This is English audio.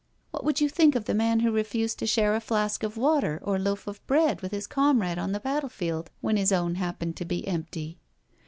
What would you think of the man who refused to share a flask of water or loaf of bread with his comrade on the battle field when his own happened to be empty?